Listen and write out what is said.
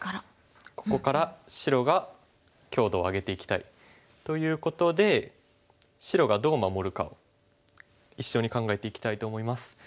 ここから白が強度を上げていきたいということで白がどう守るかを一緒に考えていきたいと思います。